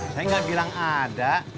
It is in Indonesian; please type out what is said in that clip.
saya enggak bilang ada